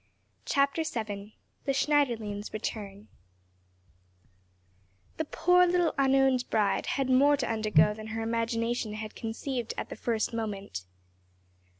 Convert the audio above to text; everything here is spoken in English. CHAPTER VII THE SCHNEIDERLEIN'S RETURN THE poor little unowned bride had more to undergo than her imagination had conceived at the first moment.